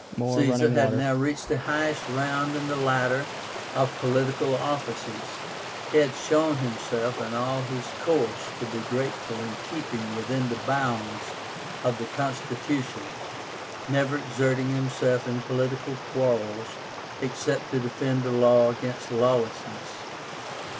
Caesar had now reached the highest round in the ladder of political offices. He had shown himself in all his course to be careful in keeping within the bounds of the constitution, never exerting himself in political quarrels except to defend the law against lawlessness.